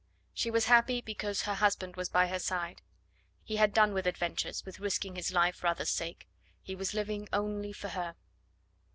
She was happy because her husband was by her side. He had done with adventures, with risking his life for others' sake. He was living only for her.